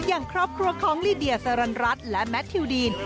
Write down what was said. อย่างครอบครัวของลีเดียสรรรัฐและแมททิวดีน